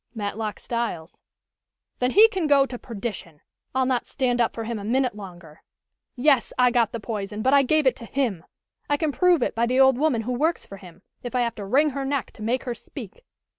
"Matlock Styles." "Then he can go to perdition! I'll not stand up for him a minute longer. Yes, I got the poison, but I gave it to him. I can prove it by the old woman who works for him, if I have to wring her neck to make her speak.